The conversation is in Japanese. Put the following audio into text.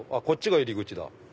こっちが入り口だ。